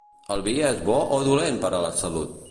El vi és bo o dolent per a la salut?